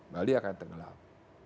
bali akan tenggelam